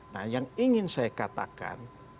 nah yang ingin saya katakan